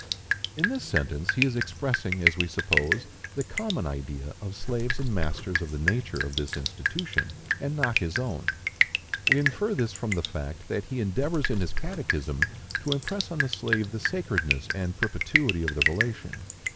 In this sentence he is expressing, as we suppose, the common idea of slaves and masters of the nature of this institution, and not his own. We infer this from the fact that he endeavors in his catechism to impress on the slave the sacredness and perpetuity of the relation.